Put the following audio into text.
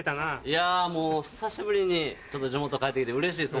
いやもう久しぶりに地元帰ってきてうれしいです